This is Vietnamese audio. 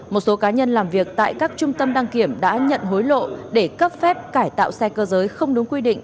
một số cá nhân làm việc tại các trung tâm đăng kiểm đã nhận hối lộ để cấp phép cải tạo xe cơ giới không đúng quy định